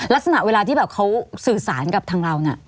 ลักษณะเวลาที่แบบเขาสื่อสารกับทางเราน่ะ